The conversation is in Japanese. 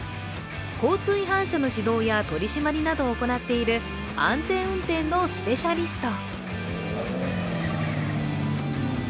交通違反者の指導や取り締まりなどを行っている安全運転のスペシャリスト。